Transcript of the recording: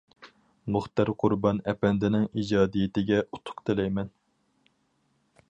مۇختەر قۇربان ئەپەندىنىڭ ئىجادىيىتىگە ئۇتۇق تىلەيمەن.